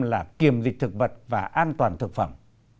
là kiềm dịch thực vật và an toàn thực phẩm